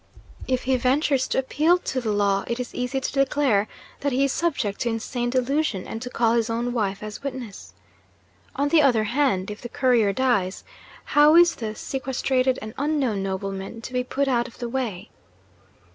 If he ventures to appeal to the law, it is easy to declare that he is subject to insane delusion, and to call his own wife as witness. On the other hand, if the Courier dies, how is the sequestrated and unknown nobleman to be put out of the way?